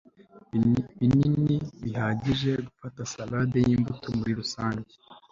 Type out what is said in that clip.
binini bihagije gufata salade yimbuto muri rusange